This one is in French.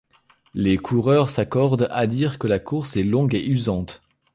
Les coureurs s'accordent à dire que la course est longue et usante.